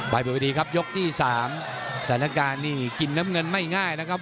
บนวิธีครับยกที่สามสถานการณ์นี่กินน้ำเงินไม่ง่ายนะครับ